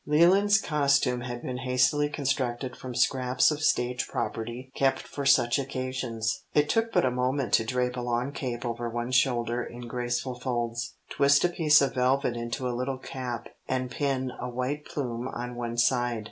Leland's costume had been hastily constructed from scraps of stage property kept for such occasions. It took but a moment to drape a long cape over one shoulder in graceful folds, twist a piece of velvet into a little cap and pin a white plume on one side.